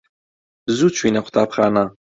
زوو چووینە قوتابخانە.